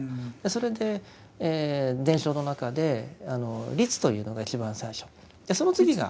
それで伝書の中で「律」というのが一番最初その次が。